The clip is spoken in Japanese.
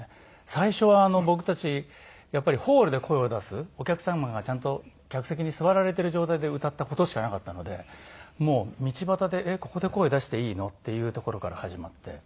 最初は僕たちやっぱりホールで声を出すお客様がちゃんと客席に座られている状態で歌った事しかなかったのでもう道端でここで声出していいの？っていうところから始まって。